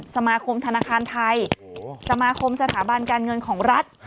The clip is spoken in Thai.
สมาคมธนาคารไทยสมาคมสถาบันการเงินของรัฐ